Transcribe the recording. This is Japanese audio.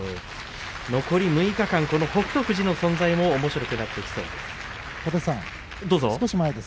残り６日間北勝富士の存在もおもしろくなってきそうです。